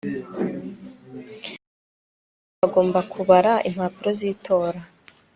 mu cyumba cy'itora bagomba kubara impapuro z'itora